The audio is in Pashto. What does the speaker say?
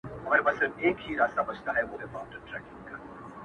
څه عجیبه غوندي لار ده نه هوسا لري نه ستړی -